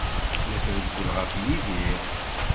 Tella trewwel ɣef Yidir.